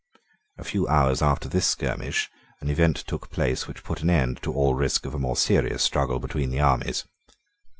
A few hours after this skirmish an event took place which put an end to all risk of a more serious struggle between the armies.